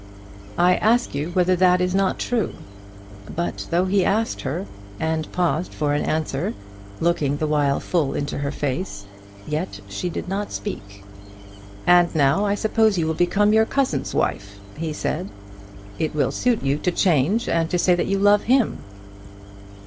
"I ask you whether that is not true?" But though he asked her, and paused for an answer, looking the while full into her face, yet she did not speak. "And now I suppose you will become your cousin's wife?" he said. "It will suit you to change, and to say that you love him."